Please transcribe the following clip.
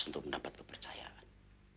untuk mendapat kepercayaan